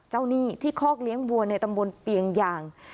หนี้ที่คอกเลี้ยงวัวในตำบลเปียงยาง